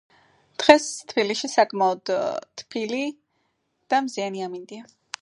დღეს თბილისში საკმაოდ... ეე... თბილი და მზიანი ამინდია